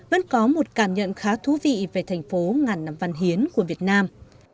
vẫn có một cảm nhận khá thú vị về thành phố ngàn năm văn hiến của việt nam